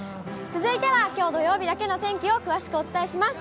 続いてはきょう土曜日だけの天気を詳しくお伝えします。